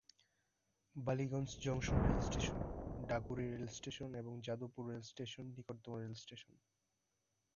Ballygunge junction rail station, Dhakuria rail station এবং Jadavpur rail station নিকটতম rail station.